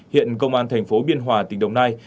hiện công an thành phố biên hòa tỉnh đồng nai